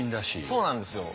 そうなんですよ。